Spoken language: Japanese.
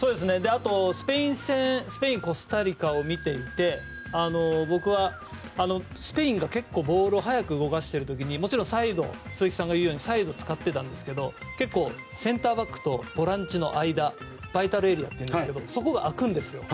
あとはスペイン、コスタリカ戦を見ていて僕はスペインがボールを速く動かしている時にもちろん鈴木さんが言うようにサイドを使っていたんですけど結構、センターバックとボランチの間のバイタルエリアといいますがそこが空くんですよ。